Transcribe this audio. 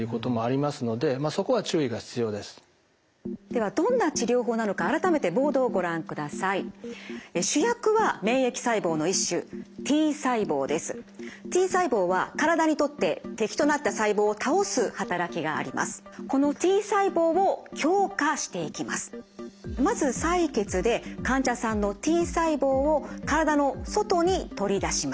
まず採血で患者さんのＴ細胞を体の外に取り出します。